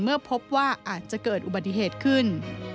เมื่อพบว่าอาจจะเกิดอุบัติเหตุขึ้น